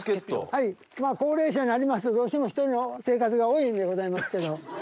高齢者になりますと、どうしても１人の生活が多いんでございますけれども。